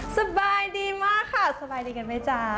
สบายดีมากค่ะสบายดีกันไหมจ๊ะ